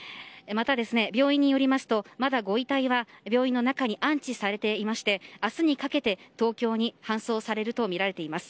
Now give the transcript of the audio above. また、病院によりますとまだご遺体は病院の中に安置されていて明日にかけて東京に搬送されるとみられています。